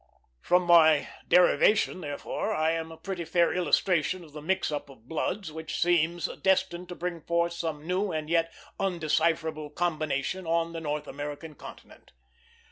From my derivation, therefore, I am a pretty fair illustration of the mix up of bloods which seems destined to bring forth some new and yet undecipherable combination on the North American continent.